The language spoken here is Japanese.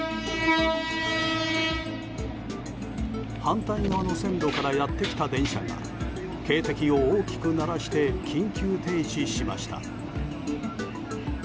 反対側の線路からやってきた電車が警笛を大きく鳴らして緊急停止しました。